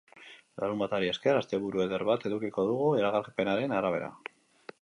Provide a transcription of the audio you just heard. Larunbatari esker, asteburu eder bat edukiko dugu, iragarpenaren arabera.